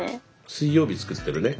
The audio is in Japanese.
「水曜日」作ってるね。